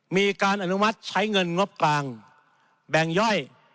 มีการอนุมัติใช้เงินงบกลางแบ่งย่อย